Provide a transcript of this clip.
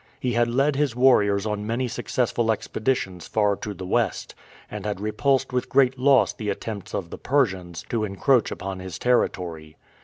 He had led his warriors on many successful expeditions far to the west, and had repulsed with great loss the attempts of the Persians to encroach upon his territory.